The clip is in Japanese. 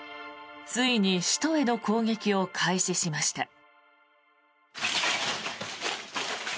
ついに首都への攻撃を開始しました。